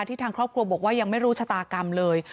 ทางครอบครัวบอกว่ายังไม่รู้ชะตากรรมเลย